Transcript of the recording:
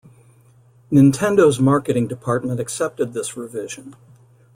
Nintendo's marketing department accepted this revision.